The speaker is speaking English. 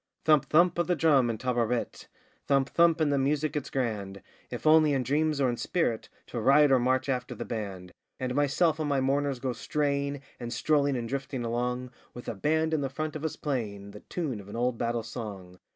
Thump! thump! of the drum and 'Ta ra rit,' Thump! thump! and the music it's grand, If only in dreams, or in spirit, To ride or march after the band! And myself and my mourners go straying, And strolling and drifting along With a band in the front of us playing The tune of an old battle song!